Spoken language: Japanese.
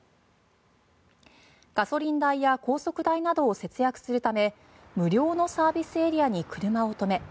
ガソリン代や高速代などを節約するため無料のサービスエリアに車を止め